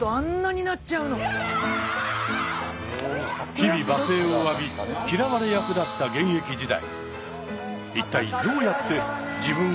日々罵声を浴び嫌われ役だった現役時代。